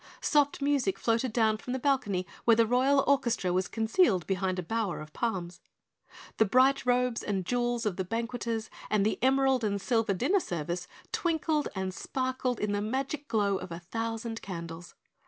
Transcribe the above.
Soft music floated down from the balcony where the Royal orchestra was concealed behind a bower of palms. The bright robes and jewels of the banqueters and the emerald and silver dinner service twinkled and sparkled in the magic glow of a thousand candles.